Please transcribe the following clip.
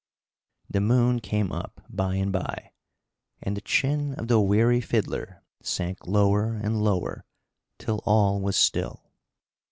The moon came up by and by, and the chin of the weary fiddler sank lower and lower, till all was still.